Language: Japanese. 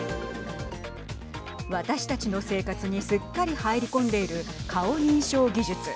私たちの生活にすっかり入り込んでいる顔認証技術。